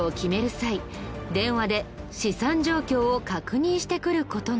際電話で資産状況を確認してくる事が。